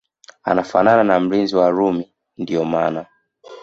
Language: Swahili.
anafanana na mlinzi wa Rumi ndio maana